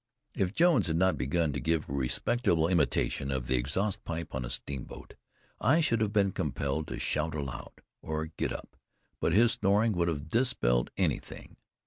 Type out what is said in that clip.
If Jones had not begun to give a respectable imitation of the exhaust pipe on a steamboat, I should have been compelled to shout aloud, or get up; but this snoring would have dispelled anything.